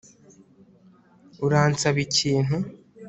Uransaba ikintu